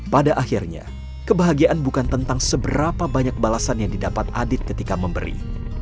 pada akhirnya kebahagiaan bukan tentang seberapa banyak balasan yang didapat adit ketika memberi